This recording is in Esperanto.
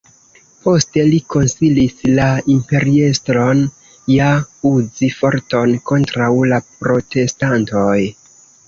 Poste li konsilis la imperiestron ja uzi forton kontraŭ la protestantoj.